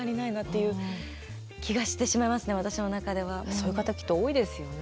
そういう方きっと多いですよね。